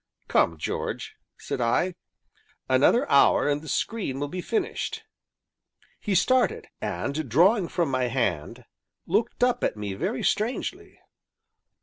"Come, George," said I, "another hour, and the screen will be finished." He started, and, drawing from my hand, looked up at me very strangely.